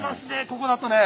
ここだとね。